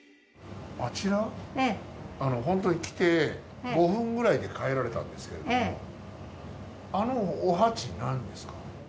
あちらホントに来て５分くらいで帰られたんですけれどもあのお鉢何ですか？